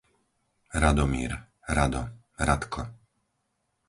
Radomír, Rado, Radko